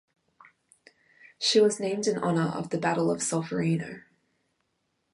She was named in honour of the Battle of Solferino.